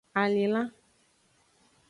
Alinlan.